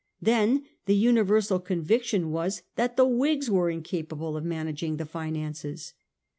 Then the universal conviction was that the Whigs were in capable of managing the finances.